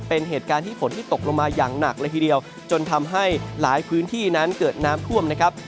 เป็นเหตุการณ์ที่ฝนที่ตกลงมาอย่างหนักเลยทีเดียวจนทำให้หลายพื้นที่นั้นเกิดน้ำท่วมนะครับ